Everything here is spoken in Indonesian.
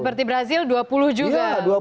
seperti brazil dua puluh juga